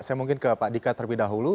saya mungkin ke pak dika terlebih dahulu